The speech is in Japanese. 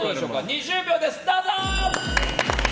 ２０秒です、どうぞ！